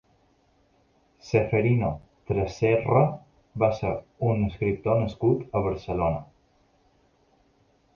Ceferino Tresserra va ser un escriptor nascut a Barcelona.